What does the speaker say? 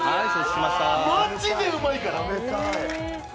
マジでうまいから！